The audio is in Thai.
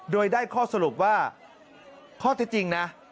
โดยได้ข้อสรุปว่าข้อที่จริงนะ